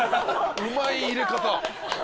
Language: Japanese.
うまい入れ方。